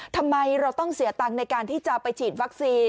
ทำไมเราต้องเสียตังค์ในการที่จะไปฉีดวัคซีน